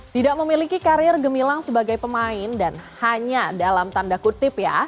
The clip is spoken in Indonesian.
tidak memiliki karir gemilang sebagai pemain dan hanya dalam tanda kutip ya